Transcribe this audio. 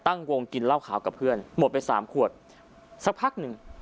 ตั้งวงกินเหล้าขาวกับเพื่อนหมดไปสามขวดสักพักหนึ่ง